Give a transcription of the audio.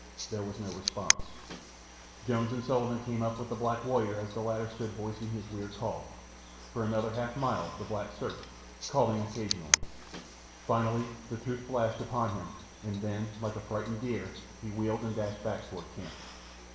There was no response. Jones and Sullivan came up with the black warrior as the latter stood voicing his weird call. For another half mile the black searched, calling occasionally. Finally the truth flashed upon him, and then, like a frightened deer, he wheeled and dashed back toward camp.